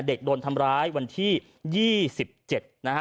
เด็กโดนทำร้ายวันที่๒๗นะฮะ